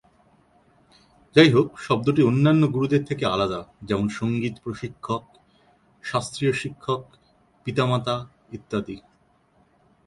যাইহোক, শব্দটি অন্যান্য গুরুদের থেকে আলাদা, যেমন সঙ্গীত প্রশিক্ষক, শাস্ত্রীয় শিক্ষক, পিতামাতা ইত্যাদি।